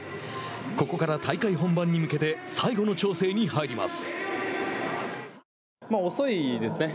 ここから、大会本番に向けて最後の調整に入ります。